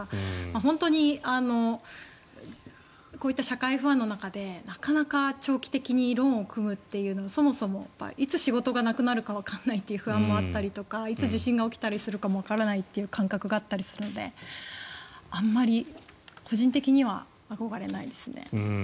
本当にこういった社会不安の中でなかなか長期的にローンを組むというのがそもそもいつ仕事がなくなるかわからないっていう不安もあったりとかいつ地震が起きるかもわからないという感覚があったりするのであまり個人的には憧れないですね。